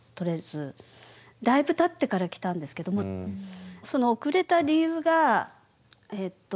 だいぶたってから来たんですけどもその遅れた理由がえっと